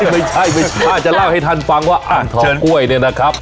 ไม่ใช่น่าจะเล่าให้ท่านฟังว่าอ่างทองกล้วยเนี่ยนะครับ